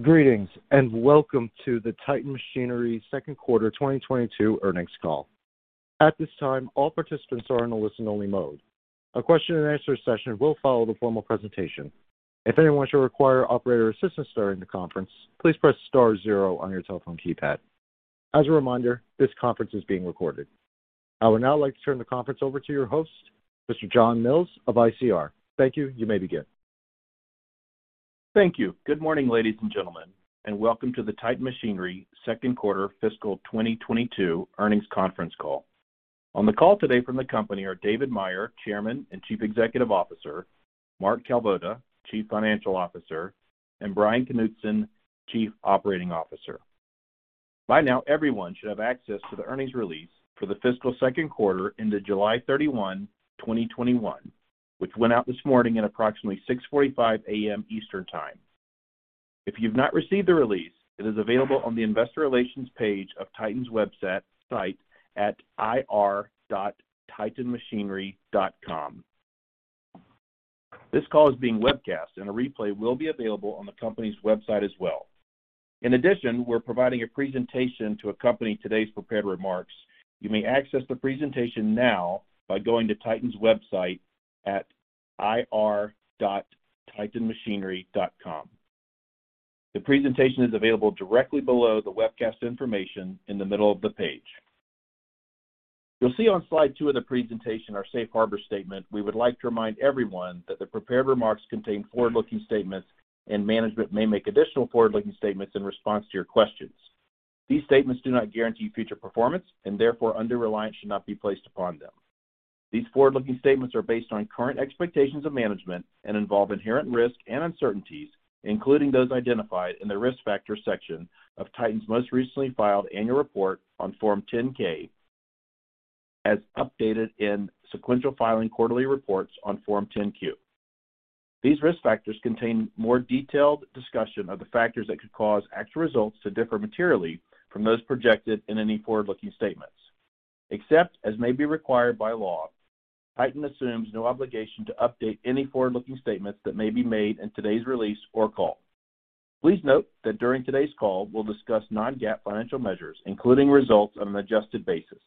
Greetings, and welcome to the Titan Machinery second quarter 2022 earnings call. At this time, all participants are in a listen-only mode. A question and answer session will follow the formal presentation. If anyone requires operator assistance during the conference, please press star zero on your telephone keypad. As a reminder, this conference is being recorded. I would now like to turn the conference over to your host, Mr. John Mills of ICR. Thank you. You may begin. Thank you. Good morning, ladies and gentlemen, and welcome to the Titan Machinery second quarter fiscal 2022 earnings conference call. On the call today from the company are David Meyer, Chairman and Chief Executive Officer, Mark Kalvoda, Chief Financial Officer, Bryan Knutson, Chief Operating Officer. By now, everyone should have access to the earnings release for the fiscal second quarter into July 31, 2021, which went out this morning at approximately 6:45 A.M. Eastern Time. If you've not received the release, it is available on the investor relations page of Titan's website at ir.titanmachinery.com. This call is being webcast, and a replay will be available on the company's website as well. In addition, we're providing a presentation to accompany today's prepared remarks. You may access the presentation now by going to Titan's website at ir.titanmachinery.com. The presentation is available directly below the webcast information in the middle of the page. You'll see on slide two of the presentation our safe harbor statement. We would like to remind everyone that the prepared remarks contain forward-looking statements, and management may make additional forward-looking statements in response to your questions. These statements do not guarantee future performance, and therefore, under-reliance should not be placed upon them. These forward-looking statements are based on current expectations of management and involve inherent risk and uncertainties, including those identified in the risk factor section of Titan's most recently filed annual report on Form 10-K, as updated in sequential filing quarterly reports on Form 10-Q. These risk factors contain more detailed discussion of the factors that could cause actual results to differ materially from those projected in any forward-looking statements. Except as may be required by law, Titan assumes no obligation to update any forward-looking statements that may be made in today's release or call. Please note that during today's call, we'll discuss non-GAAP financial measures, including results on an adjusted basis.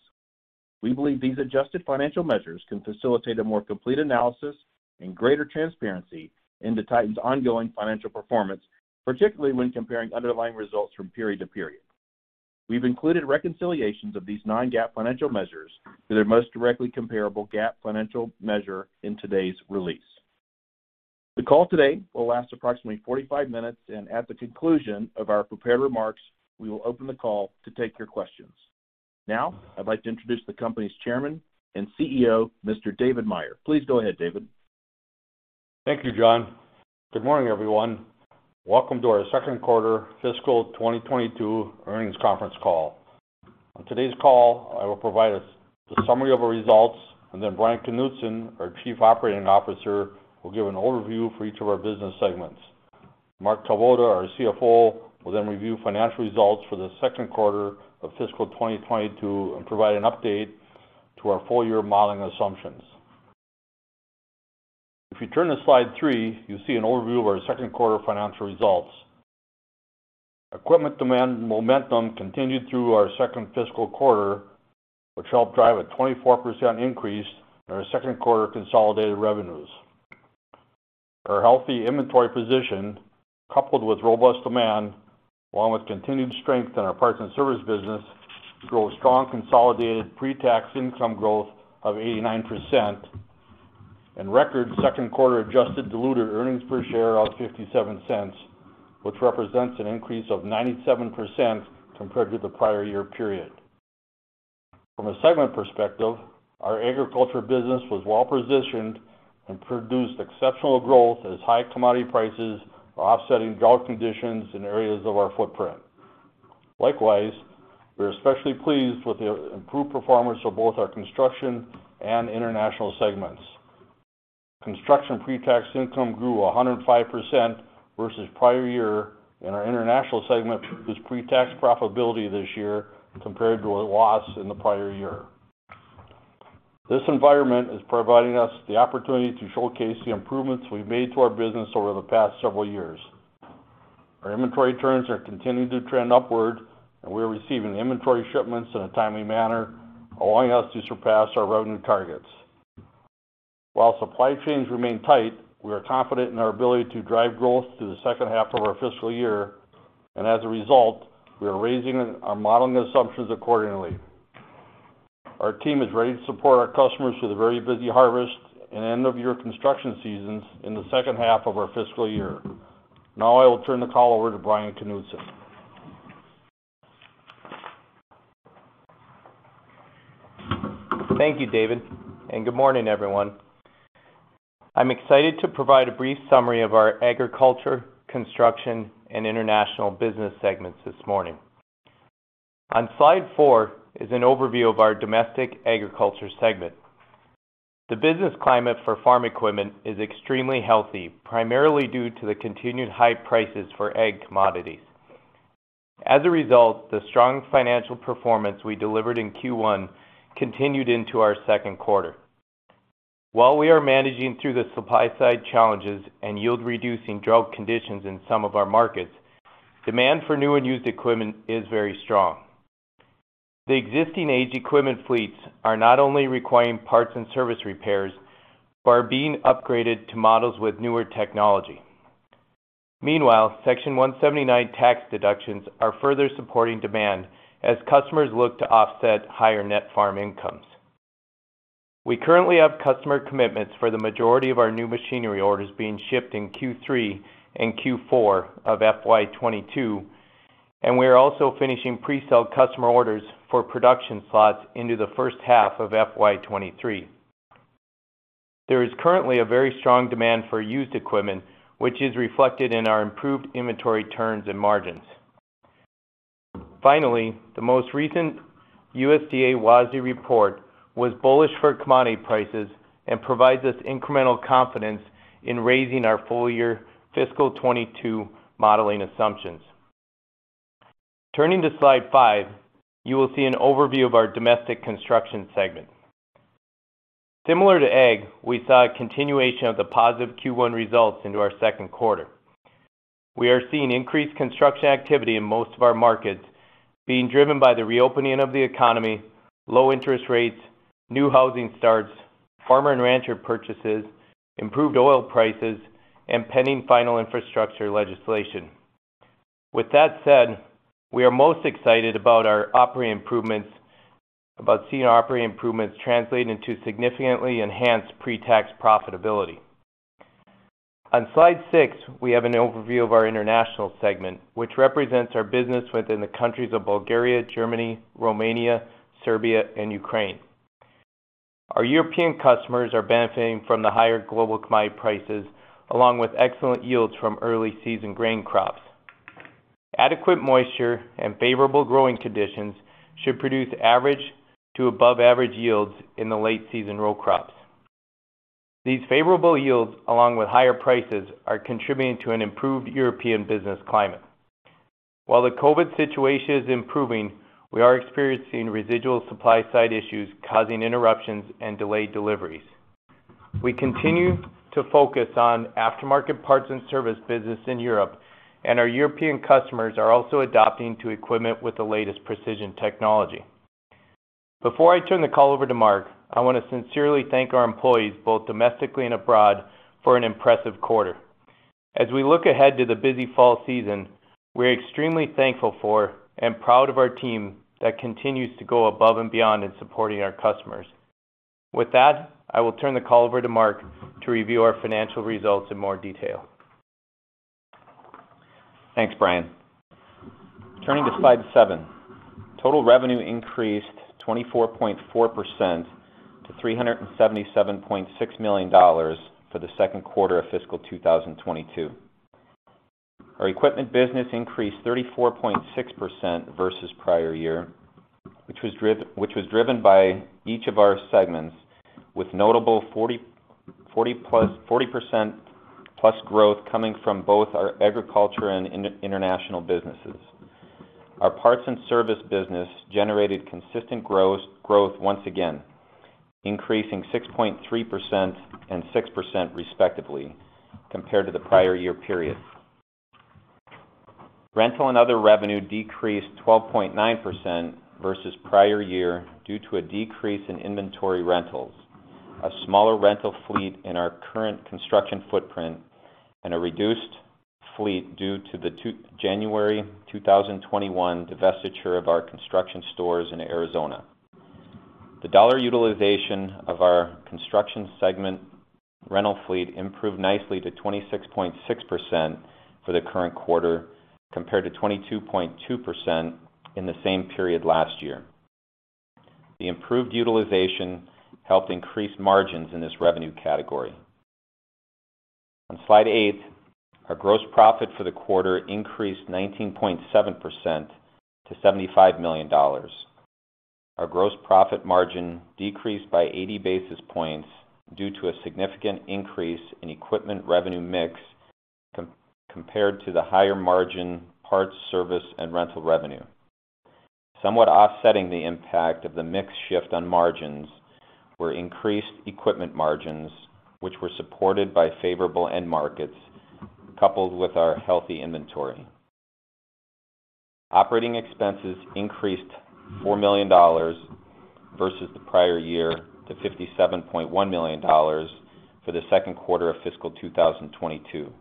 We believe these adjusted financial measures can facilitate a more complete analysis and greater transparency into Titan's ongoing financial performance, particularly when comparing underlying results from period to period. We've included reconciliations of these non-GAAP financial measures to their most directly comparable GAAP financial measure in today's release. The call today will last approximately 45 minutes, and at the conclusion of our prepared remarks, we will open the call to take your questions. I'd like to introduce the company's Chairman and CEO, Mr. David Meyer. Please go ahead, David. Thank you, John. Good morning, everyone. Welcome to our second quarter fiscal 2022 earnings conference call. On today's call, I will provide a summary of our results, and then Bryan Knutson, our Chief Operating Officer, will give an overview for each of our business segments. Mark Kalvoda, our CFO, will then review financial results for the second quarter of fiscal 2022 and provide an update to our full-year modeling assumptions. If you turn to slide 3, you'll see an overview of our second quarter financial results. Equipment demand momentum continued through our second fiscal quarter, which helped drive a 24% increase in our second quarter consolidated revenues. Our healthy inventory position, coupled with robust demand, along with continued strength in our parts and service business, grew a strong consolidated pre-tax income growth of 89% and record second quarter adjusted diluted earnings per share of $0.57, which represents an increase of 97% compared to the prior year period. From a segment perspective, our agriculture business was well-positioned and produced exceptional growth as high commodity prices are offsetting drought conditions in areas of our footprint. Likewise, we're especially pleased with the improved performance of both our construction and international segments. Construction pre-tax income grew 105% versus prior year, and our international segment was pre-tax profitability this year compared to a loss in the prior year. This environment is providing us the opportunity to showcase the improvements we've made to our business over the past several years. Our inventory turns are continuing to trend upward, and we are receiving inventory shipments in a timely manner, allowing us to surpass our revenue targets. While supply chains remain tight, we are confident in our ability to drive growth through the second half of our fiscal year, and as a result, we are raising our modeling assumptions accordingly. Our team is ready to support our customers through the very busy harvest and end-of-year construction seasons in the second half of our fiscal year. Now I will turn the call over to Bryan Knutson. Thank you, David, and good morning, everyone. I'm excited to provide a brief summary of our agriculture, construction, and international business segments this morning. On slide 4 is an overview of our domestic agriculture segment. The business climate for farm equipment is extremely healthy, primarily due to the continued high prices for ag commodities. As a result, the strong financial performance we delivered in Q1 continued into our second quarter. While we are managing through the supply side challenges and yield-reducing drought conditions in some of our markets, demand for new and used equipment is very strong. The existing age equipment fleets are not only requiring parts and service repairs, but are being upgraded to models with newer technology. Meanwhile, Section 179 tax deductions are further supporting demand as customers look to offset higher net farm incomes. We currently have customer commitments for the majority of our new machinery orders being shipped in Q3 and Q4 of FY 2022, and we are also finishing pre-sale customer orders for production slots into the first half of FY 2023. There is currently a very strong demand for used equipment, which is reflected in our improved inventory turns and margins. Finally, the most recent USDA WASDE report was bullish for commodity prices and provides us incremental confidence in raising our full year fiscal 2022 modeling assumptions. Turning to slide 5, you will see an overview of our domestic construction segment. Similar to ag, we saw a continuation of the positive Q1 results into our second quarter. We are seeing increased construction activity in most of our markets being driven by the reopening of the economy, low interest rates, new housing starts, farmer and rancher purchases, improved oil prices, and pending final infrastructure legislation. With that said, we are most excited about seeing operating improvements translate into significantly enhanced pre-tax profitability. On slide 6, we have an overview of our international segment, which represents our business within the countries of Bulgaria, Germany, Romania, Serbia and Ukraine. Our European customers are benefiting from the higher global commodity prices along with excellent yields from early season grain crops. Adequate moisture and favorable growing conditions should produce average to above average yields in the late season row crops. These favorable yields, along with higher prices, are contributing to an improved European business climate. While the COVID situation is improving, we are experiencing residual supply side issues causing interruptions and delayed deliveries. We continue to focus on aftermarket parts and service business in Europe, and our European customers are also adopting to equipment with the latest precision technology. Before I turn the call over to Mark, I want to sincerely thank our employees, both domestically and abroad, for an impressive quarter. As we look ahead to the busy fall season, we're extremely thankful for and proud of our team that continues to go above and beyond in supporting our customers. With that, I will turn the call over to Mark to review our financial results in more detail. Thanks, Bryan. Turning to slide seven. Total revenue increased 24.4% to $377.6 million for the second quarter of fiscal 2022. Our equipment business increased 34.6% versus prior year, which was driven by each of our segments with notable 40%+ growth coming from both our agriculture and international businesses. Our parts and service business generated consistent growth once again, increasing 6.3% and 6% respectively compared to the prior year period. Rental and other revenue decreased 12.9% versus prior year due to a decrease in inventory rentals, a smaller rental fleet in our current construction footprint, and a reduced fleet due to the January 2021 divestiture of our construction stores in Arizona. The dollar utilization of our construction segment rental fleet improved nicely to 26.6% for the current quarter, compared to 22.2% in the same period last year. The improved utilization helped increase margins in this revenue category. On slide 8, our gross profit for the quarter increased 19.7% to $75 million. Our gross profit margin decreased by 80 basis points due to a significant increase in equipment revenue mix compared to the higher margin parts, service, and rental revenue. Somewhat offsetting the impact of the mix shift on margins were increased equipment margins, which were supported by favorable end markets, coupled with our healthy inventory. Operating expenses increased $4 million versus the prior year to $57.1 million for the second quarter of fiscal 2022.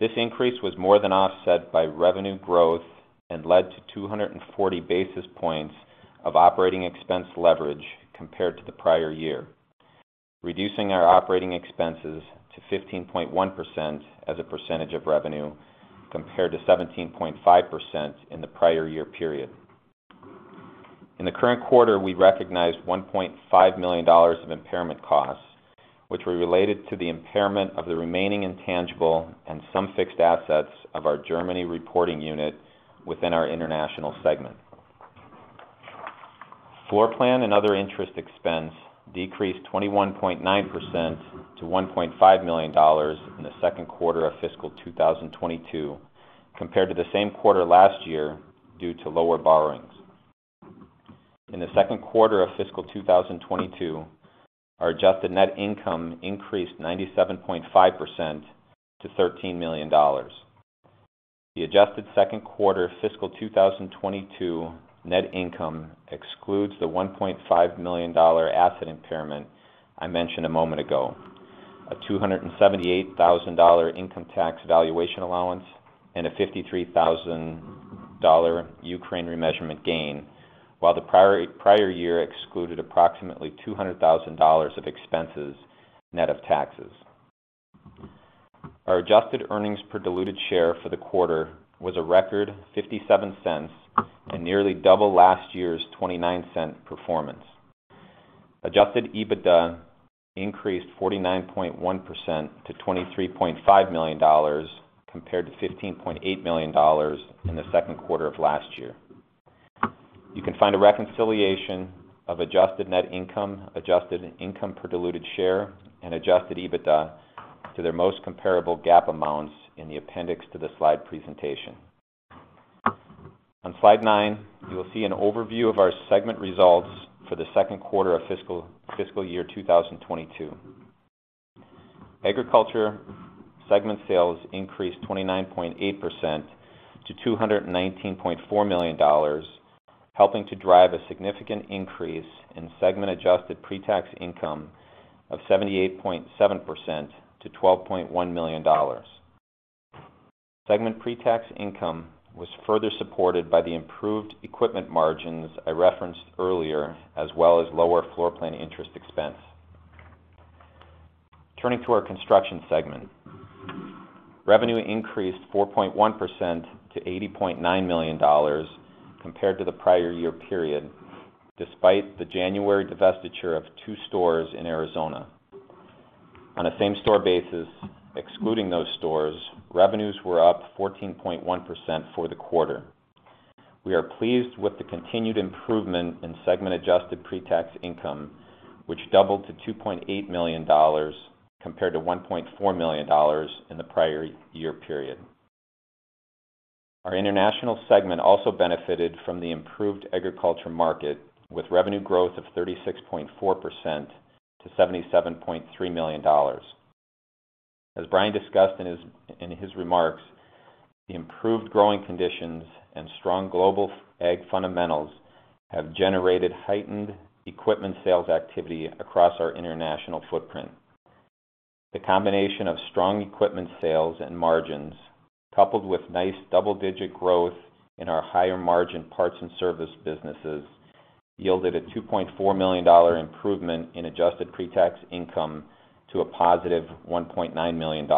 This increase was more than offset by revenue growth and led to 240 basis points of operating expense leverage compared to the prior year, reducing our operating expenses to 15.1% as a percentage of revenue, compared to 17.5% in the prior year period. In the current quarter, we recognized $1.5 million of impairment costs, which were related to the impairment of the remaining intangible and some fixed assets of our Germany reporting unit within our international segment. Floor plan and other interest expense decreased 21.9% to $1.5 million in the second quarter of fiscal 2022 compared to the same quarter last year due to lower borrowings. In the second quarter of fiscal 2022, our adjusted net income increased 97.5% to $13 million. The adjusted second quarter fiscal 2022 net income excludes the $1.5 million asset impairment I mentioned a moment ago, a $278,000 income tax valuation allowance, and a $53,000 Ukraine remeasurement gain while the prior year excluded approximately $200,000 of expenses net of taxes. Our adjusted earnings per diluted share for the quarter was a record $0.57 and nearly double last year's $0.29 performance. Adjusted EBITDA increased 49.1% to $23.5 million compared to $15.8 million in the second quarter of last year. You can find a reconciliation of adjusted net income, adjusted income per diluted share and adjusted EBITDA to their most comparable GAAP amounts in the appendix to the slide presentation. On slide 9, you will see an overview of our segment results for the second quarter of fiscal year 2022. Agriculture segment sales increased 29.8% to $219.4 million, helping to drive a significant increase in segment adjusted pre-tax income of 78.7% to $12.1 million. Segment pre-tax income was further supported by the improved equipment margins I referenced earlier as well as lower floor plan interest expense. Turning to our Construction segment. Revenue increased 4.1% to $80.9 million compared to the prior year period, despite the January divestiture of two stores in Arizona. On a same store basis, excluding those stores, revenues were up 14.1% for the quarter. We are pleased with the continued improvement in segment adjusted pre-tax income, which doubled to $2.8 million compared to $1.4 million in the prior year period. Our international segment also benefited from the improved agriculture market with revenue growth of 36.4% to $77.3 million. As Bryan discussed in his remarks, the improved growing conditions and strong global ag fundamentals have generated heightened equipment sales activity across our international footprint. The combination of strong equipment sales and margins, coupled with nice double-digit growth in our higher-margin parts and service businesses, yielded a $2.4 million improvement in adjusted pre-tax income to a +$1.9 million.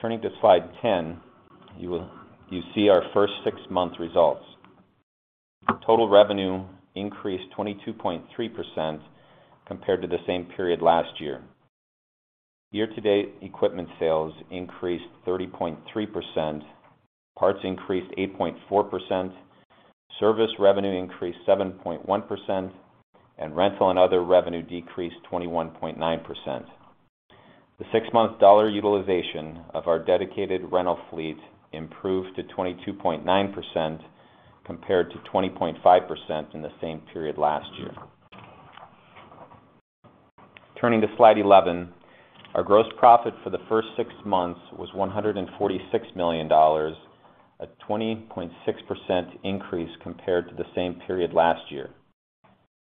Turning to slide 10, you see our first six-month results. Total revenue increased 22.3% compared to the same period last year. Year-to-date equipment sales increased 30.3%, parts increased 8.4%, service revenue increased 7.1%, and rental and other revenue decreased 21.9%. The six-month dollar utilization of our dedicated rental fleet improved to 22.9% compared to 20.5% in the same period last year. Turning to slide 11, our gross profit for the first six months was $146 million, a 20.6% increase compared to the same period last year.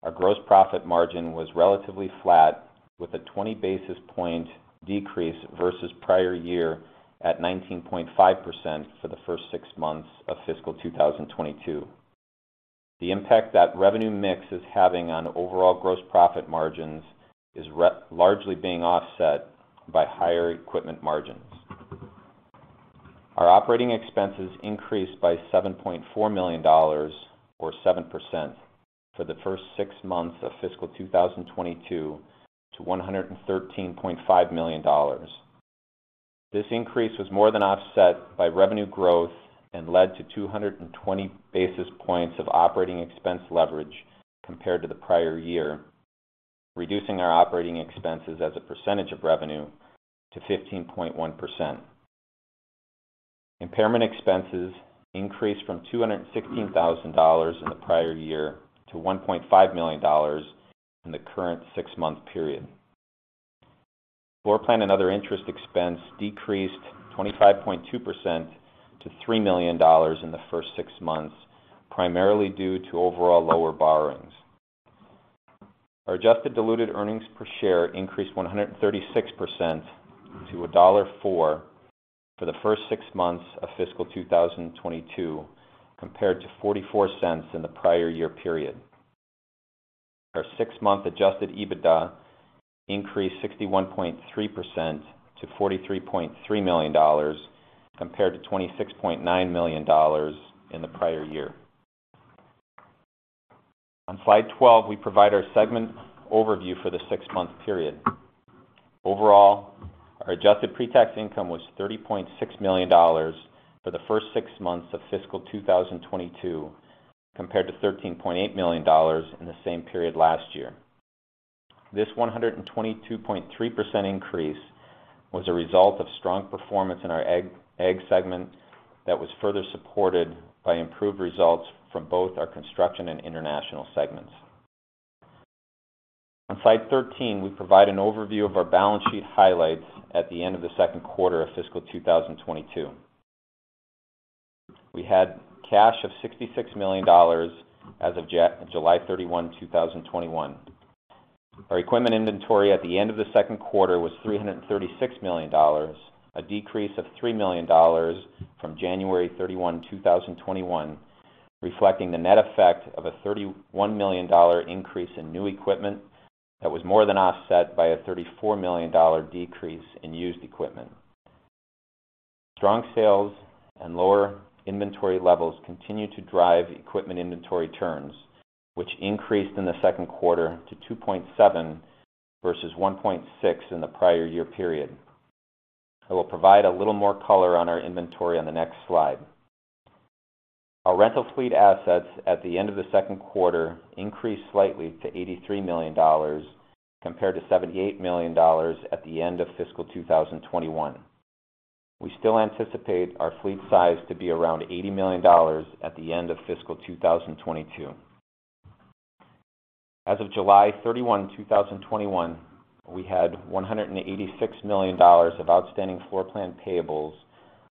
Our gross profit margin was relatively flat with a 20-basis point decrease versus prior year at 19.5% for the first six months of fiscal 2022. The impact that revenue mix is having on overall gross profit margins is largely being offset by higher equipment margins. Our operating expenses increased by $7.4 million or 7% for the first six months of fiscal 2022 to $113.5 million. This increase was more than offset by revenue growth and led to 220 basis points of operating expense leverage compared to the prior year, reducing our operating expenses as a percentage of revenue to 15.1%. Impairment expenses increased from $216,000 in the prior year to $1.5 million in the current six-month period. Floor plan and other interest expense decreased 25.2% to $3 million in the first six months, primarily due to overall lower borrowings. Our adjusted diluted earnings per share increased 136% to a $1.4 for the first six months of fiscal 2022 compared to $0.44 in the prior year period. Our six-month adjusted EBITDA increased 61.3% to $43.3 million compared to $26.9 million in the prior year. On slide 12, we provide our segment overview for the six-month period. Overall, our adjusted pre-tax income was $30.6 million for the first six months of fiscal 2022, compared to $13.8 million in the same period last year. This 122.3% increase was a result of strong performance in our ag segment that was further supported by improved results from both our construction and international segments. On slide 13, we provide an overview of our balance sheet highlights at the end of the second quarter of fiscal 2022. We had cash of $66 million as of July 31, 2021. Our equipment inventory at the end of the second quarter was $336 million, a decrease of $3 million from January 31, 2021, reflecting the net effect of a $31 million increase in new equipment that was more than offset by a $34 million decrease in used equipment. Strong sales and lower inventory levels continue to drive equipment inventory turns, which increased in the second quarter to 2.7 versus 1.6 in the prior year period. I will provide a little more color on our inventory on the next slide. Our rental fleet assets at the end of the second quarter increased slightly to $83 million, compared to $78 million at the end of fiscal 2021. We still anticipate our fleet size to be around $80 million at the end of fiscal 2022. As of July 31, 2021, we had $186 million of outstanding floor plan payables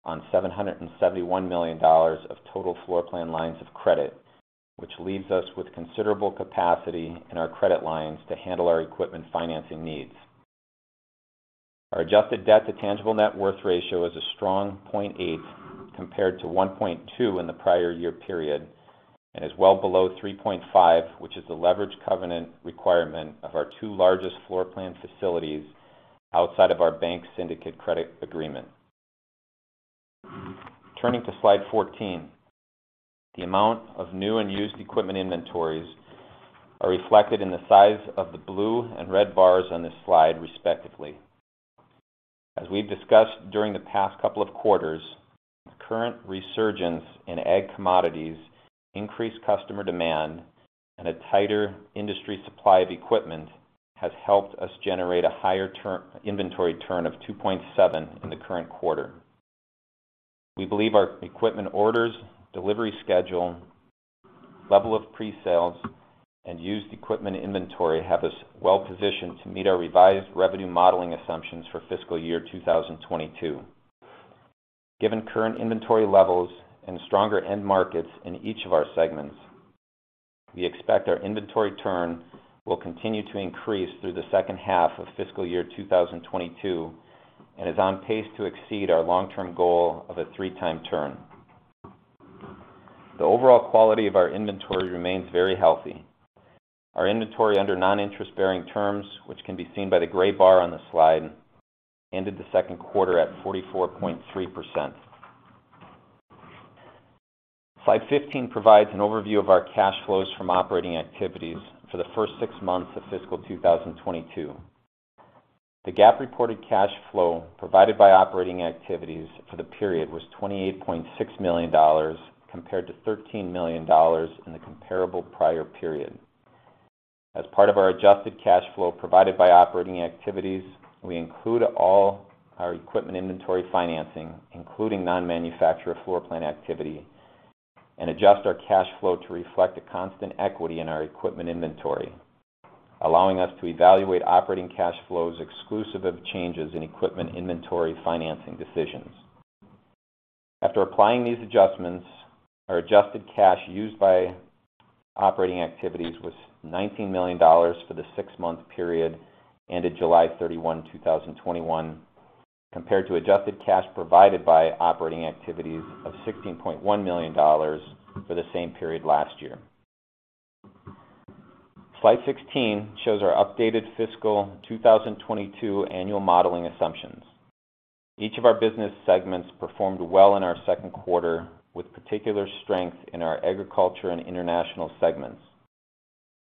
on $771 million of total floor plan lines of credit, which leaves us with considerable capacity in our credit lines to handle our equipment financing needs. Our adjusted debt to tangible net worth ratio is a strong 0.8x compared to 1.2x in the prior year period, and is well below 3.5x, which is the leverage covenant requirement of our two largest floor plan facilities outside of our bank syndicate credit agreement. Turning to slide 14. The amount of new and used equipment inventories are reflected in the size of the blue and red bars on this slide, respectively. As we've discussed during the past couple of quarters, the current resurgence in ag commodities, increased customer demand, and a tighter industry supply of equipment has helped us generate a higher inventory turn of 2.7 in the current quarter. We believe our equipment orders, delivery schedule, level of pre-sales, and used equipment inventory have us well positioned to meet our revised revenue modeling assumptions for fiscal year 2022. Given current inventory levels and stronger end markets in each of our segments, we expect our inventory turn will continue to increase through the second half of fiscal year 2022, and is on pace to exceed our long-term goal of a three-time turn. The overall quality of our inventory remains very healthy. Our inventory under non-interest bearing terms, which can be seen by the gray bar on the slide, ended the second quarter at 44.3%. Slide 15 provides an overview of our cash flows from operating activities for the first six months of fiscal 2022. The GAAP reported cash flow provided by operating activities for the period was $28.6 million, compared to $13 million in the comparable prior period. As part of our adjusted cash flow provided by operating activities, we include all our equipment inventory financing, including non-manufacturer floor plan activity, and adjust our cash flow to reflect a constant equity in our equipment inventory, allowing us to evaluate operating cash flows exclusive of changes in equipment inventory financing decisions. After applying these adjustments, our adjusted cash used by operating activities was $19 million for the six-month period ended July 31, 2021, compared to adjusted cash provided by operating activities of $16.1 million for the same period last year. Slide 16 shows our updated fiscal 2022 annual modeling assumptions. Each of our business segments performed well in our second quarter, with particular strength in our agriculture and international segments.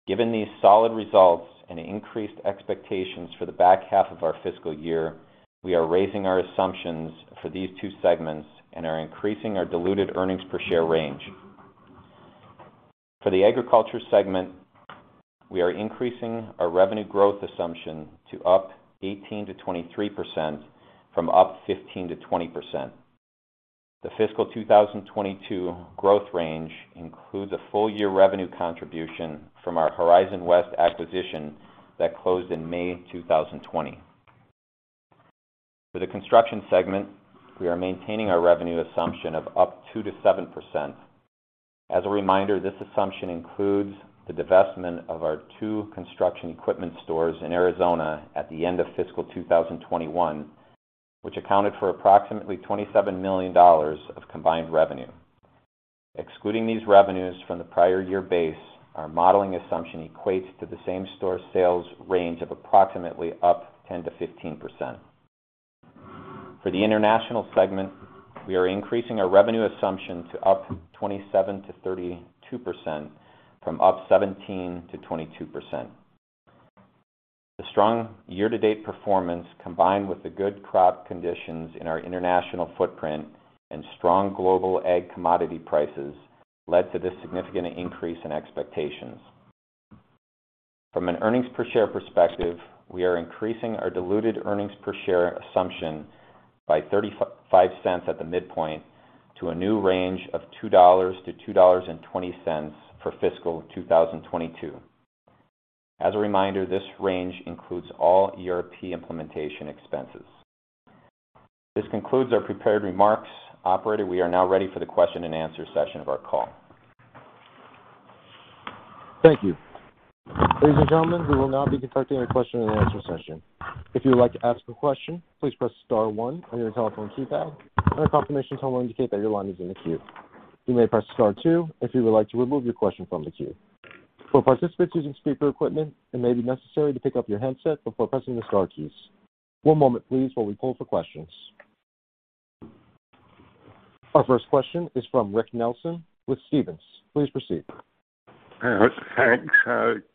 Given these solid results and increased expectations for the back half of our fiscal year, we are raising our assumptions for these two segments and are increasing our diluted earnings per share range. For the agriculture segment, we are increasing our revenue growth assumption to up 18%-23%, from up 15%-20%. The fiscal 2022 growth range includes a full year revenue contribution from our HorizonWest acquisition that closed in May 2020. For the construction segment, we are maintaining our revenue assumption of up 2%-7%. As a reminder, this assumption includes the divestment of our two construction equipment stores in Arizona at the end of fiscal 2021, which accounted for approximately $27 million of combined revenue. Excluding these revenues from the prior year base, our modeling assumption equates to the same-store sales range of approximately up 10%-15%. For the international segment, we are increasing our revenue assumption to up 27%-32%, from up 17%-22%. The strong year-to-date performance, combined with the good crop conditions in our international footprint and strong global ag commodity prices, led to this significant increase in expectations. From an earnings per share perspective, we are increasing our diluted earnings per share assumption by $0.35 at the midpoint to a new range of $2-$2.20 for fiscal 2022. As a reminder, this range includes all ERP implementation expenses. This concludes our prepared remarks. Operator, we are now ready for the question and answer session of our call. Thank you. Ladies and gentlemen, we will now be conducting a question and answer session. If you would like to ask a question, please press star one on your telephone keypad. You may press star two, if you would like to remove your question from the queue. For participants using a speaker equipment, it maybe necessary to pickup your handset before pressing the keys to get in the queue. One moment please while we pull-up the questions. Our first question is from Rick Nelson with Stephens. Please proceed. Thanks.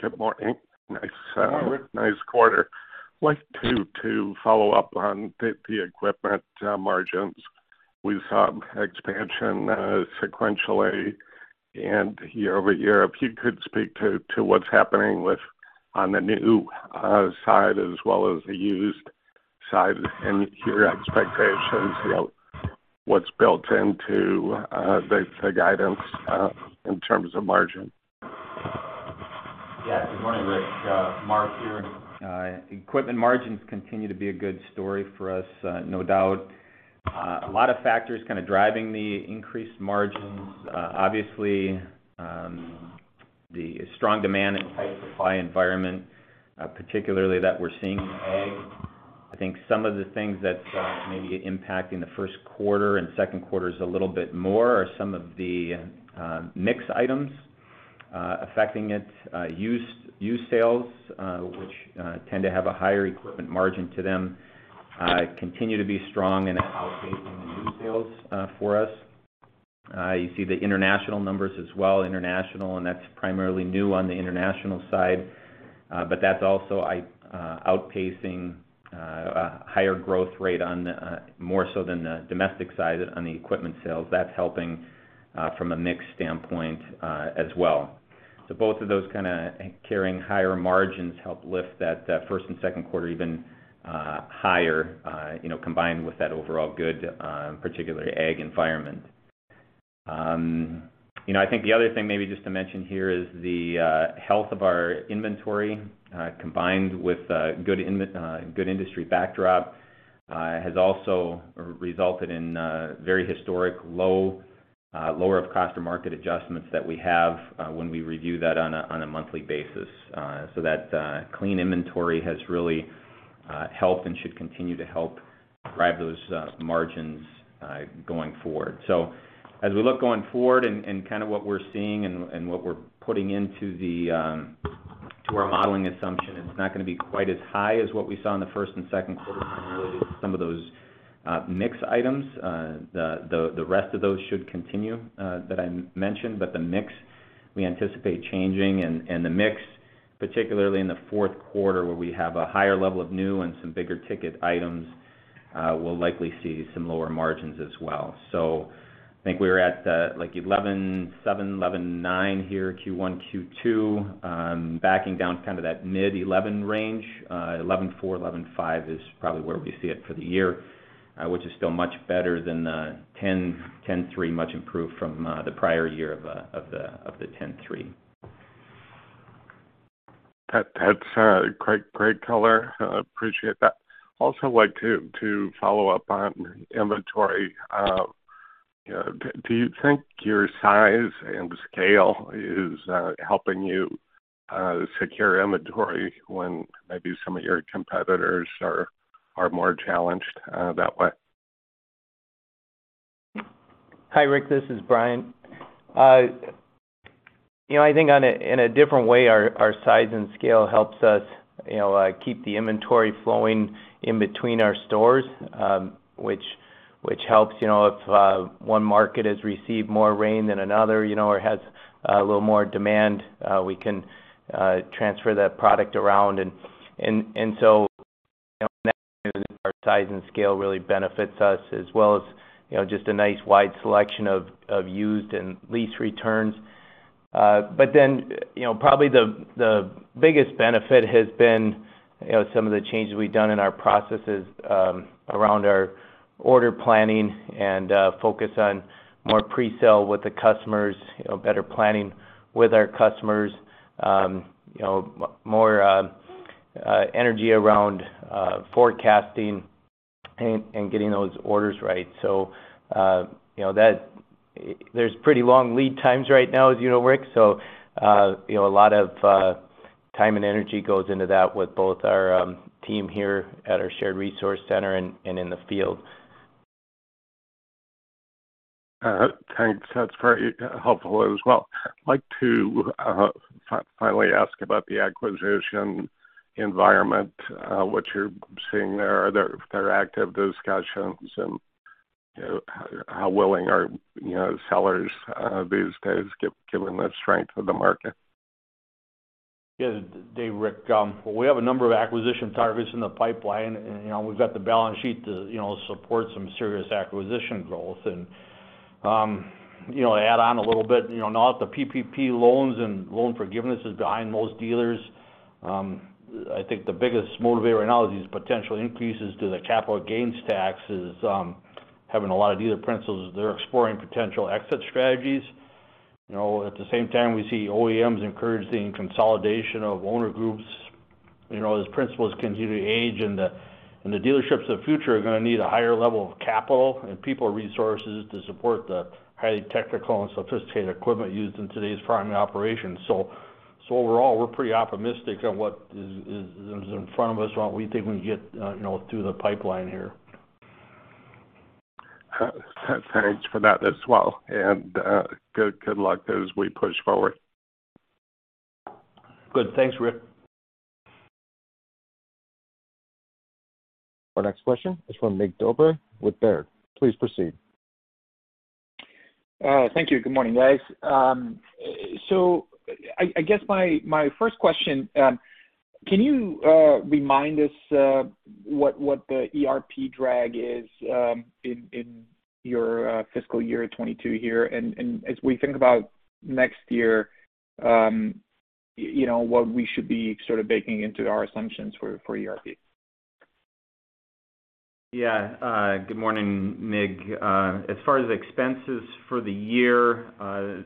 Good morning. Nice quarter. I'd like to follow up on the equipment margins. We saw expansion sequentially and year-over-year. If you could speak to what's happening on the new side as well as the used side and your expectations about what's built into the guidance in terms of margin. Yeah. Good morning, Rick. Mark here. Equipment margins continue to be a good story for us, no doubt. A lot of factors kind of driving the increased margins. Obviously, the strong demand and tight supply environment, particularly that we're seeing in ag. I think some of the things that's maybe impacting the first quarter and second quarter is a little bit more are some of the mix items affecting it. Used sales, which tend to have a higher equipment margin to them, continue to be strong and outpacing the new sales for us. You see the international numbers as well, international, and that's primarily new on the international side. That's also outpacing a higher growth rate more so than the domestic side on the equipment sales. That's helping from a mix standpoint as well. Both of those kind of carrying higher margins help lift that first and second quarter even higher, combined with that overall good, particularly ag environment. I think the other thing maybe just to mention here is the health of our inventory, combined with good industry backdrop has also resulted in very historic lower of cost or market adjustments that we have when we review that on a monthly basis. That clean inventory has really helped and should continue to help drive those margins going forward. As we look going forward and kind of what we're seeing and what we're putting into our modeling assumption, it's not going to be quite as high as what we saw in the first and second quarter related to some of those mix items. The rest of those should continue that I mentioned, the mix we anticipate changing, and the mix, particularly in the fourth quarter where we have a higher level of new and some bigger ticket items, we'll likely see some lower margins as well. I think we were at 11.7%-11.9% here, Q1, Q2. Backing down kind of that mid-11% range, 11.4%-11.5% is probably where we see it for the year, which is still much better than the 10.3%, much improved from the prior year of the 10.3%. That's great color. Appreciate that. I'd also like to follow up on inventory. Do you think your size and scale is helping you secure inventory when maybe some of your competitors are more challenged that way? Hi, Rick, this is Bryan. I think in a different way, our size and scale helps us keep the inventory flowing in between our stores, which helps if one market has received more rain than another or has a little more demand, we can transfer that product around. That's where our size and scale really benefits us, as well as just a nice wide selection of used and lease returns. Probably the biggest benefit has been some of the changes we've done in our processes around our order planning and focus on more pre-sale with the customers, better planning with our customers. More energy around forecasting and getting those orders right. There's pretty long lead times right now, as you know, Rick, so a lot of time and energy goes into that with both our team here at our shared resource center and in the field. Thanks. That's very helpful as well. I'd like to finally ask about the acquisition environment, what you're seeing there. Are there active discussions, and how willing are sellers these days, given the strength of the market? Yeah. Dave, Rick, we have a number of acquisition targets in the pipeline, and we've got the balance sheet to support some serious acquisition growth. To add on a little bit, now that the PPP loans and loan forgiveness is behind most dealers, I think the biggest motivator now is these potential increases to the capital gains taxes, having a lot of dealer principals, they're exploring potential exit strategies. At the same time, we see OEMs encouraging consolidation of owner groups as principals continue to age, and the dealerships of the future are going to need a higher level of capital and people resources to support the highly technical and sophisticated equipment used in today's farming operations. Overall, we're pretty optimistic on what is in front of us, what we think we can get through the pipeline here. Thanks for that as well. Good luck as we push forward. Good. Thanks, Rick. Our next question is from Mig Dobre with Baird. Please proceed. Thank you. Good morning, guys. I guess my first question, can you remind us what the ERP drag is in your fiscal year 2022 here? As we think about next year, what we should be sort of baking into our assumptions for ERP. Good morning, Mig. As far as expenses for the year,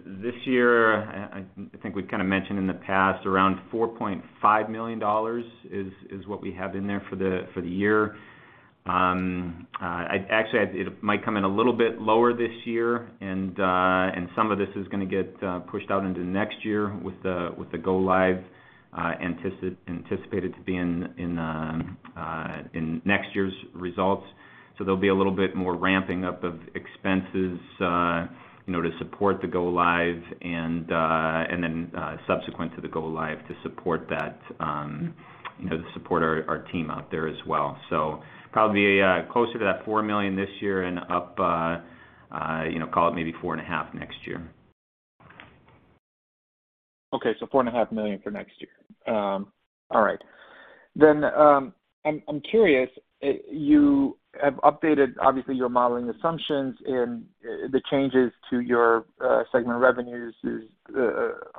this year, I think we kind of mentioned in the past, around $4.5 million is what we have in there for the year. Actually, it might come in a little bit lower this year, and some of this is going to get pushed out into next year with the go-live anticipated to be in next year's results. There'll be a little bit more ramping up of expenses to support the go-live and then subsequent to the go-live to support our team out there as well. Probably closer to that $4 million this year and up, call it maybe $4.5 million next year. Okay. $4.5 million for next year. All right. I'm curious, you have updated, obviously, your modeling assumptions and the changes to your segment revenues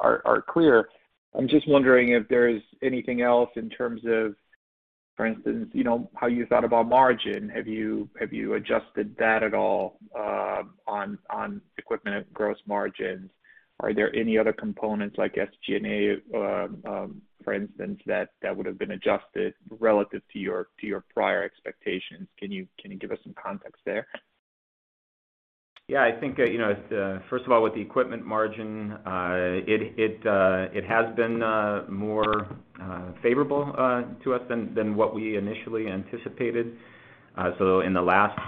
are clear. I'm just wondering if there's anything else in terms of, for instance, how you thought about margin. Have you adjusted that at all on equipment at gross margins? Are there any other components like SG&A, for instance, that would have been adjusted relative to your prior expectations? Can you give us some context there? I think, first of all, with the equipment margin, it has been more favorable to us than what we initially anticipated. In the last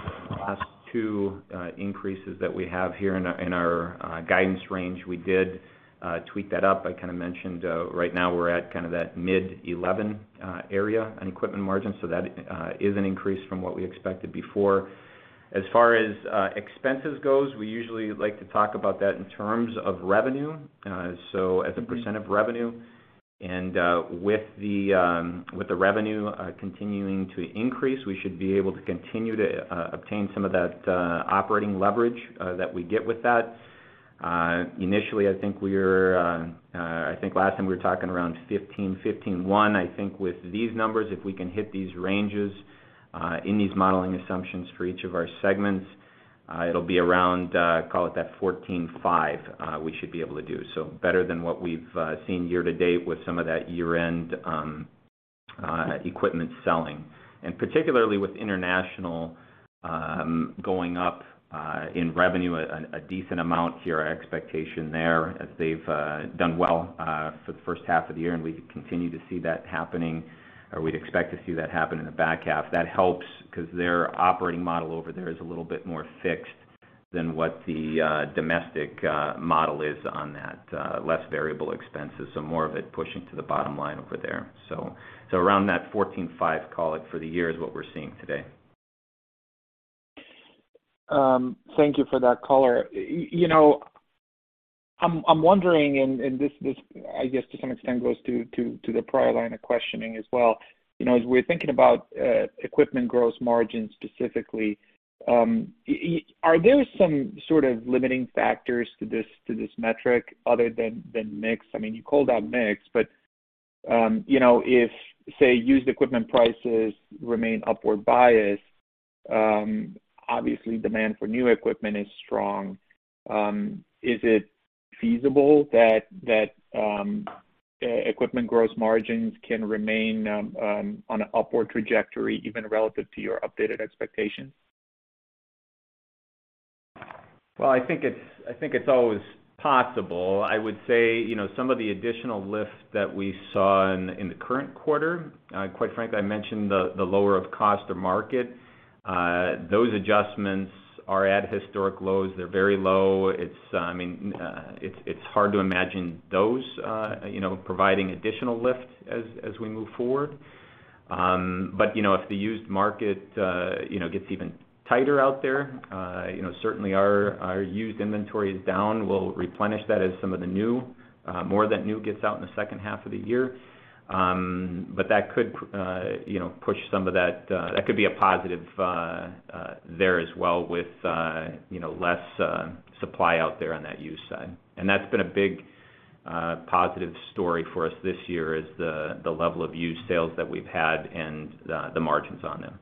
two increases that we have here in our guidance range, we did tweak that up. I kind of mentioned right now we're at kind of that mid 11% area on equipment margin. That is an increase from what we expected before. As far as expenses goes, we usually like to talk about that in terms of revenue, so as a percent of revenue. With the revenue continuing to increase, we should be able to continue to obtain some of that operating leverage that we get with that. Initially, I think last time we were talking around 15%, 15.1%. I think with these numbers, if we can hit these ranges in these modeling assumptions for each of our segments, it'll be around, call it that 14.5%, we should be able to do. Better than what we've seen year-to-date with some of that year-end equipment selling. Particularly with international going up in revenue a decent amount here, our expectation there, as they've done well for the first half of the year and we continue to see that happening or we'd expect to see that happen in the back half. That helps because their operating model over there is a little bit more fixed than what the domestic model is on that. Less variable expenses, so more of it pushing to the bottom line over there. Around that 14.5%, call it, for the year is what we're seeing today. Thank you for that color. I'm wondering, and this, I guess to some extent, goes to the prior line of questioning as well. As we're thinking about equipment gross margin specifically, are there some sort of limiting factors to this metric other than mix? You called out mix, but if, say, used equipment prices remain upward biased, obviously demand for new equipment is strong. Is it feasible that equipment gross margins can remain on an upward trajectory even relative to your updated expectations? Well, I think it's always possible. I would say, some of the additional lift that we saw in the current quarter, quite frankly, I mentioned the lower of cost of market. Those adjustments are at historic lows. They're very low. It's hard to imagine those providing additional lift as we move forward. If the used market gets even tighter out there, certainly our used inventory is down. We'll replenish that as some of the new, more of that new gets out in the second half of the year. That could be a positive there as well with less supply out there on that used side. That's been a big positive story for us this year, is the level of used sales that we've had and the margins on them.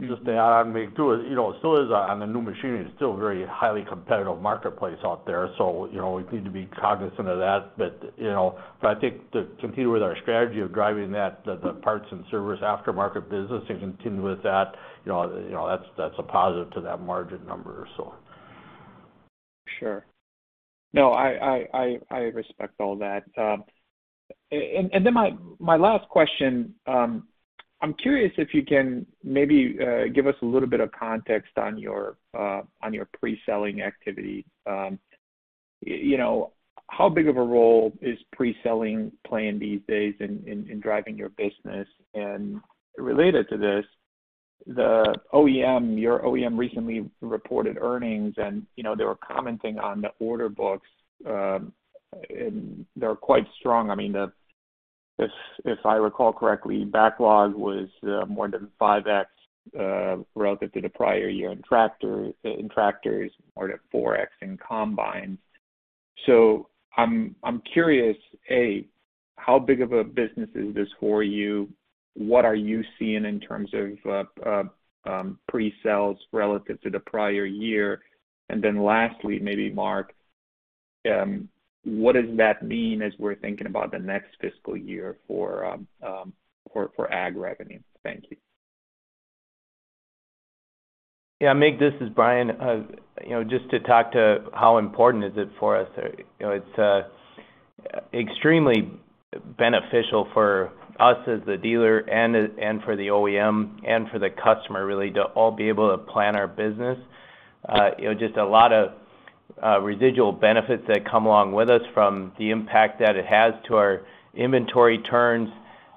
Just to add on, Mig, too. On the new machinery, it's still a very highly competitive marketplace out there, so we need to be cognizant of that. I think to continue with our strategy of driving the parts and service aftermarket business and continue with that's a positive to that margin number. Sure. No, I respect all that. My last question. I'm curious if you can maybe give us a little bit of context on your pre-selling activity. How big of a role is pre-selling playing these days in driving your business? Related to this, your OEM recently reported earnings and they were commenting on the order books, and they're quite strong. If I recall correctly, backlog was more than 5x relative to the prior year in tractors, more to 4x in combines. I'm curious, A, how big of a business is this for you? What are you seeing in terms of pre-sales relative to the prior year? Lastly, maybe Mark, what does that mean as we're thinking about the next fiscal year for Ag revenue? Thank you. Yeah, Mig, this is Bryan. Just to talk to how important is it for us. It's extremely beneficial for us as the dealer and for the OEM and for the customer, really, to all be able to plan our business. A lot of residual benefits that come along with us from the impact that it has to our inventory turns,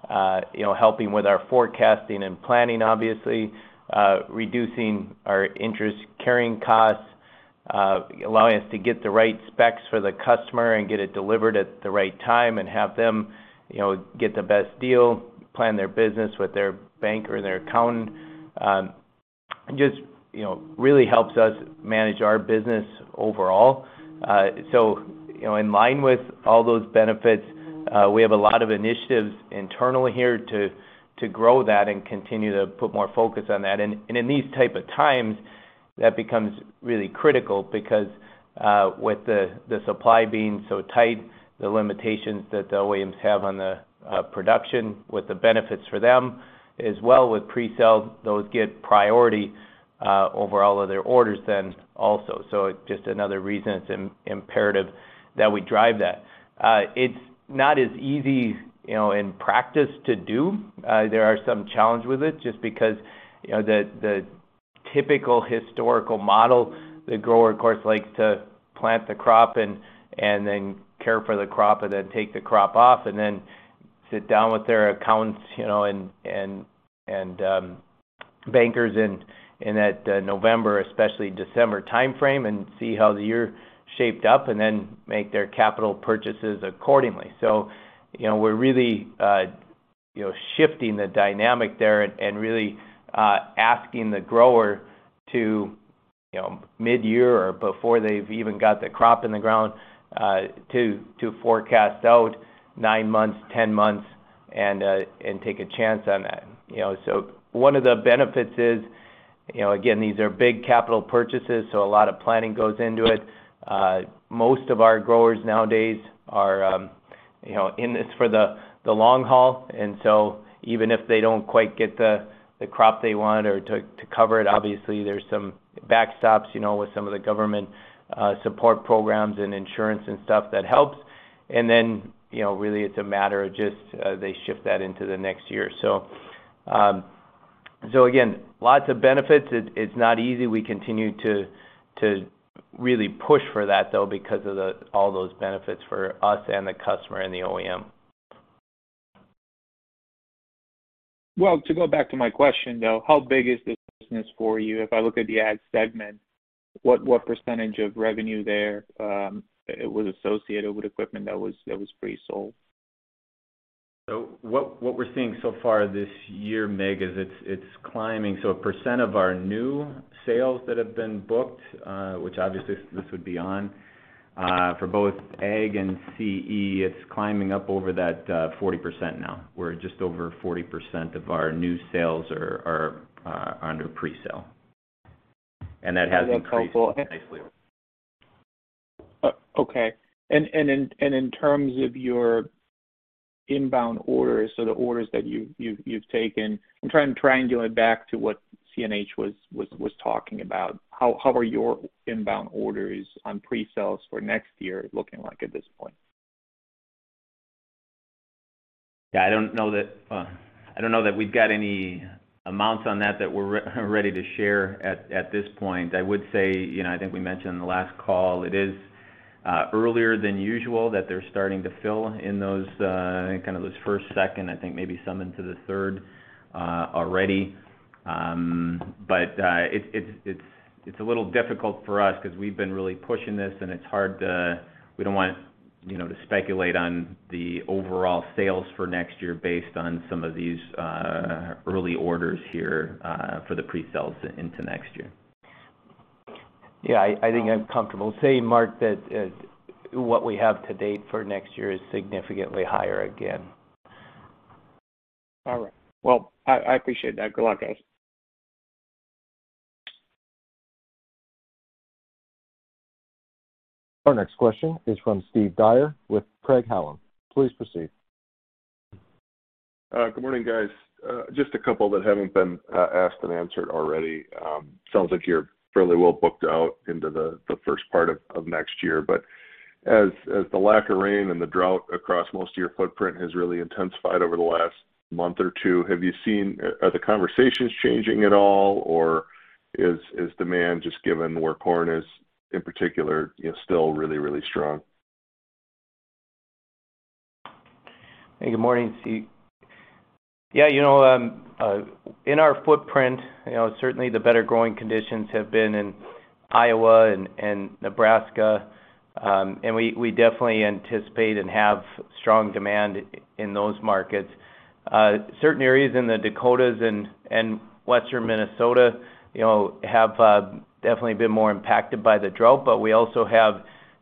helping with our forecasting and planning, obviously. Reducing our interest-carrying costs. Allowing us to get the right specs for the customer and get it delivered at the right time and have them get the best deal, plan their business with their bank or their accountant. Really helps us manage our business overall. In line with all those benefits, we have a lot of initiatives internally here to grow that and continue to put more focus on that. In these type of times, that becomes really critical because with the supply being so tight, the limitations that the OEMs have on the production with the benefits for them, as well with pre-sales, those get priority over all other orders then also. It's just another reason it's imperative that we drive that. It's not as easy in practice to do. There are some challenge with it, just because the typical historical model, the grower, of course, likes to plant the crop and then care for the crop and then take the crop off and then sit down with their accountants and bankers in that November, especially December timeframe, and see how the year shaped up and then make their capital purchases accordingly. We're really shifting the dynamic there and really asking the grower to mid-year or before they've even got the crop in the ground to forecast out nine months, 10 months and take a chance on that. One of the benefits is, again, these are big capital purchases, a lot of planning goes into it. Most of our growers nowadays are in this for the long haul, even if they don't quite get the crop they want or to cover it, obviously, there's some backstops with some of the government support programs and insurance and stuff that helps. Really, it's a matter of just they shift that into the next year. Again, lots of benefits. It's not easy. We continue to really push for that, though, because of all those benefits for us and the customer and the OEM. Well, to go back to my question, though, how big is this business for you? If I look at the Ag segment, what percentage of revenue there was associated with equipment that was pre-sold? What we're seeing so far this year, Mig, is it's climbing. A percent of our new sales that have been booked, which obviously this would be on, for both Ag and CE, it's climbing up over that 40% now. We're just over 40% of our new sales are under pre-sale. That has increased nicely. Okay. In terms of your inbound orders, the orders that you've taken, I'm trying to triangulate back to what CNH was talking about. How are your inbound orders on pre-sales for next year looking like at this point? Yeah, I don't know that we've got any amounts on that we're ready to share at this point. I would say, I think we mentioned the last call, it is earlier than usual that they're starting to fill in those first, second, I think maybe some into the third already. It's a little difficult for us because we've been really pushing this. We don't want to speculate on the overall sales for next year based on some of these early orders here for the pre-sales into next year. Yeah, I think I'm comfortable saying, Mark, that what we have to date for next year is significantly higher again. All right. Well, I appreciate that. Good luck, guys. Our next question is from Steve Dyer with Craig-Hallum. Please proceed. Good morning, guys. Just a couple that haven't been asked and answered already. Sounds like you're fairly well booked out into the first part of next year. But as the lack of rain and the drought across most of your footprint has really intensified over the last month or two, have you seen, are the conversations changing at all, or is demand just given where corn is, in particular, still really, really strong? Hey, good morning, Steve. Yeah, in our footprint, certainly the better growing conditions have been in Iowa and Nebraska. We definitely anticipate and have strong demand in those markets. Certain areas in the Dakotas and Western Minnesota have definitely been more impacted by the drought, but we also have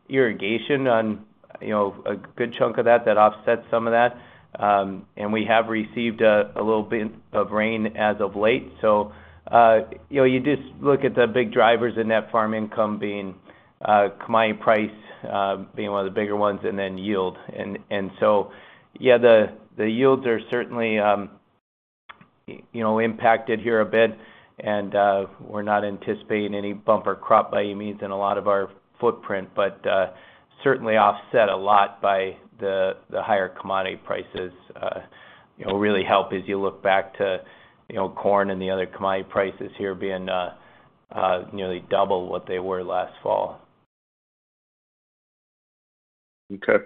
irrigation on a good chunk of that offsets some of that. We have received a little bit of rain as of late. You just look at the big drivers in net farm income being commodity price being one of the bigger ones, and then yield. Yeah, the yields are certainly impacted here a bit. We're not anticipating any bumper crop by any means in a lot of our footprint, but certainly offset a lot by the higher commodity prices. Really help as you look back to corn and the other commodity prices here being nearly double what they were last fall. Okay.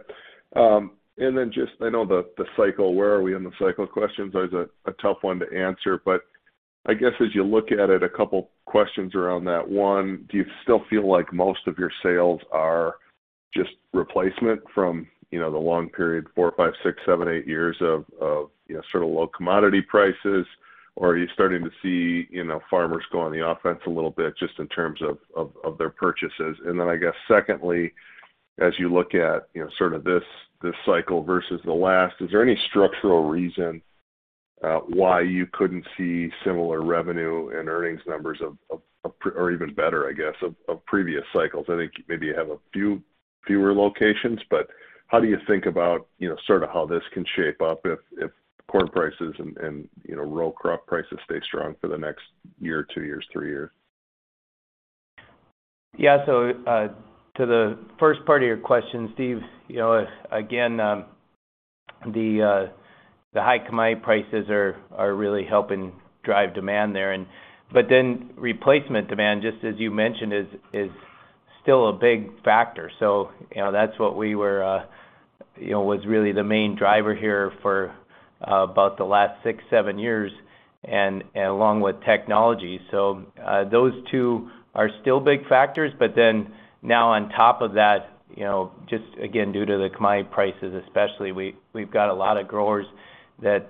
Just, I know the cycle, where are we in the cycle questions, always a tough one to answer. I guess as you look at it, a couple questions around that. One, do you still feel like most of your sales are just replacement from the long period, four, five, six, seven, eight years of sort of low commodity prices, or are you starting to see farmers go on the offense a little bit just in terms of their purchases? I guess secondly, as you look at this cycle versus the last, is there any structural reason why you couldn't see similar revenue and earnings numbers of, or even better, I guess, of previous cycles? I think maybe you have a fewer locations, but how do you think about how this can shape up if corn prices and row crop prices stay strong for the next year, two years, three years? Yeah. To the first part of your question, Steve, again, the high commodity prices are really helping drive demand there. Replacement demand, just as you mentioned, is still a big factor. That's what was really the main driver here for about the last six, seven years, and along with technology. Those two are still big factors, but then now on top of that, just again, due to the commodity prices especially, we've got a lot of growers that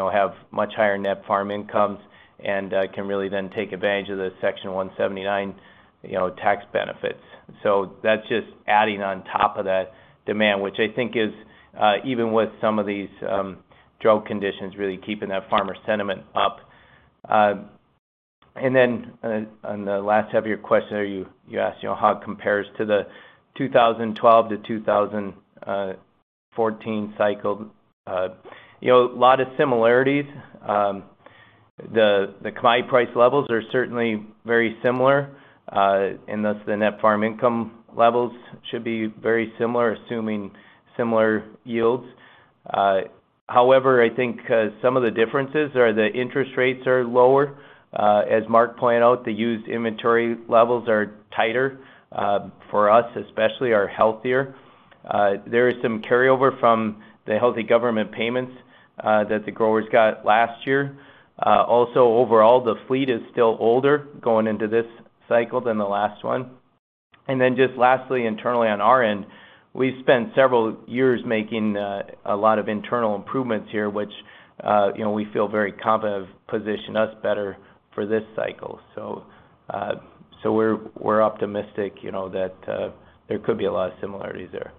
have much higher net farm incomes and can really then take advantage of the Section 179 tax benefits. That's just adding on top of that demand, which I think is, even with some of these drought conditions, really keeping that farmer sentiment up. On the last half of your question there, you asked how it compares to the 2012-2014 cycle. A lot of similarities. The commodity price levels are certainly very similar. Thus, the net farm income levels should be very similar, assuming similar yields. However, I think some of the differences are the interest rates are lower. As Mark pointed out, the used inventory levels are tighter. For us especially, are healthier. There is some carryover from the healthy government payments that the growers got last year. Also, overall, the fleet is still older going into this cycle than the last one. Then just lastly, internally on our end, we spent several years making a lot of internal improvements here, which we feel very confident have positioned us better for this cycle. We're optimistic that there could be a lot of similarities there.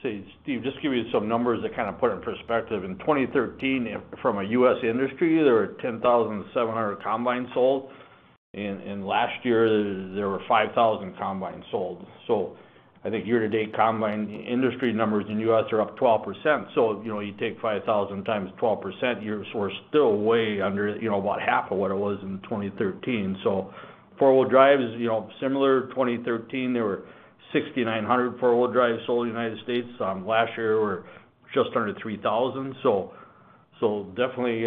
Steve, just give you some numbers that put it in perspective. In 2013, from a U.S. industry, there were 10,700 combines sold. Last year there were 5,000 combines sold. I think year-to-date combine industry numbers in U.S. are up 12%. You take 5,000 x 12%, you're still way under about half of what it was in 2013. Four-wheel drive is similar. 2013, there were 6,900 four-wheel drives sold in the United States. Last year were just under 3,000. Definitely,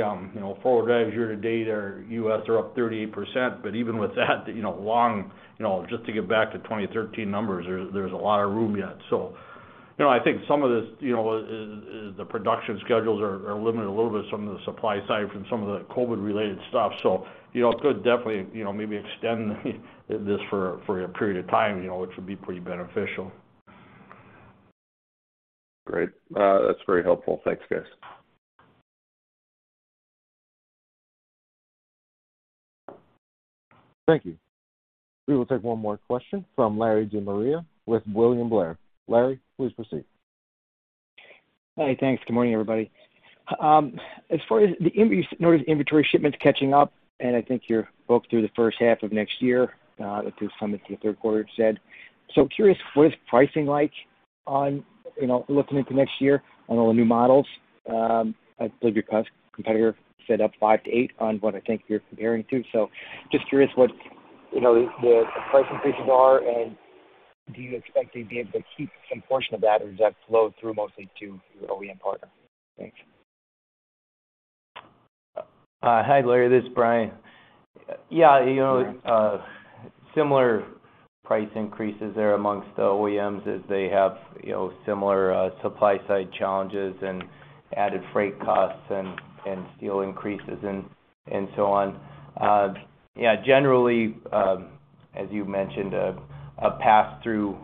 four-wheel drives year-to-date are U.S. are up 38%. Even with that, just to get back to 2013 numbers, there's a lot of room yet. I think some of this, the production schedules are limited a little bit from the supply side from some of the COVID-related stuff. It could definitely maybe extend this for a period of time, which would be pretty beneficial. Great. That's very helpful. Thanks, guys. Thank you. We will take one more question from Larry De Maria with William Blair. Larry, please proceed. Hey, thanks. Good morning, everybody. As far as the inventory shipments catching up, and I think you're booked through the first half of next year, at least some into the third quarter, it said. Curious, what is pricing like on looking into next year on all the new models? I believe your competitor said up 5%-8% on what I think you're comparing to. Just curious what the price increases are, and do you expect to be able to keep some portion of that, or does that flow through mostly to your OEM partner? Thanks. Hi, Larry. This is Bryan. Yeah. Similar price increases there amongst the OEMs as they have similar supply-side challenges and added freight costs and steel increases and so on. Yeah, generally, as you mentioned, a pass-through.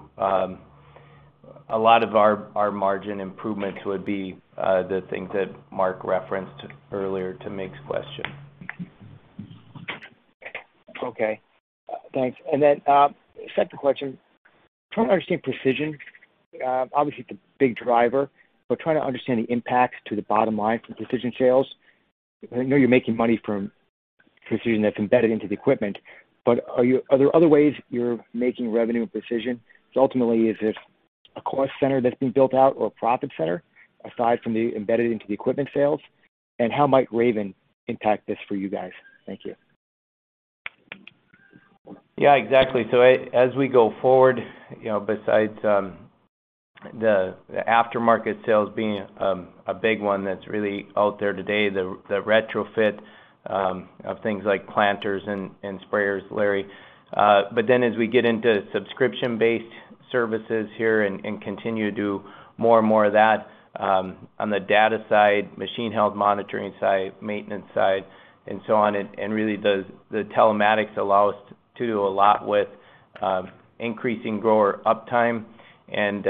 A lot of our margin improvements would be the things that Mark referenced earlier to Mig's question. Okay. Thanks. Second question, trying to understand Precision. Obviously, the big driver, but trying to understand the impact to the bottom line from Precision sales. I know you're making money from Precision that's embedded into the equipment, but are there other ways you're making revenue with Precision? Ultimately, is this a cost center that's being built out or a profit center, aside from the embedded into the equipment sales? How might Raven impact this for you guys? Thank you. Yeah, exactly. As we go forward, besides the aftermarket sales being a big one that's really out there today, the retrofit of things like planters and sprayers, Larry. But then, as we get into subscription-based services here and continue to do more and more of that on the data side, machine health monitoring side, maintenance side, and so on. The telematics allow us to do a lot with increasing grower uptime and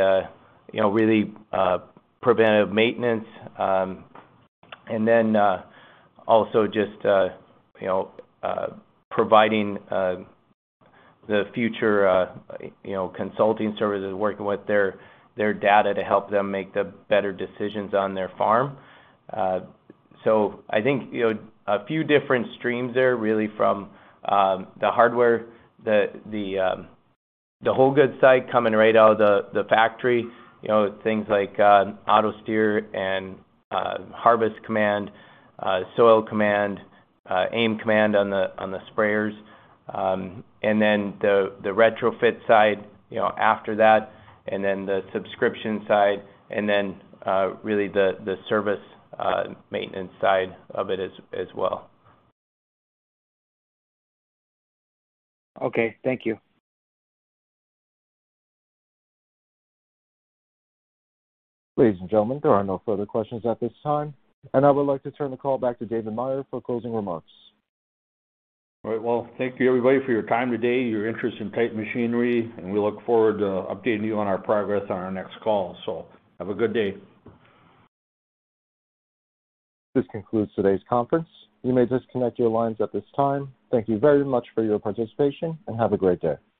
really preventive maintenance. Also just providing the future consulting services, working with their data to help them make the better decisions on their farm. I think, a few different streams there, really from the hardware, the wholegoods side coming right out of the factory. Things like Auto-Steer and Harvest Command, Soil Command, AIM Command on the sprayers. The retrofit side after that, and then the subscription side, and then really the service maintenance side of it as well. Okay. Thank you. Ladies and gentlemen, there are no further questions at this time, and I would like to turn the call back to David Meyer for closing remarks. All right. Well, thank you everybody for your time today, your interest in Titan Machinery, we look forward to updating you on our progress on our next call. Have a good day. This concludes today's conference. You may disconnect your lines at this time. Thank you very much for your participation, and have a great day.